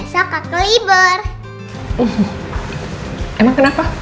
selamat buka ya